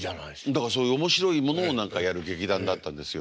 だからそういう面白いものを何かやる劇団だったんですよ。